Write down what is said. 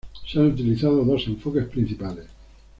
Se han utilizado dos enfoques principales.